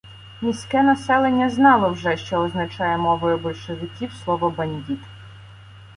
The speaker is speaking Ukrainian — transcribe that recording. Міське населення знало вже, що означає мовою больше- виків слово "бандіт".